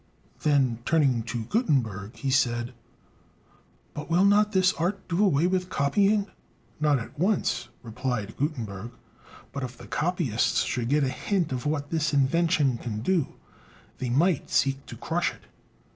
Then turning to Gutenberg, he said, "But will not this art do away with copying?" "Not at once," replied Gutenberg. "But if the copyists should get a hint of what this invention can do, they might seek to crush it.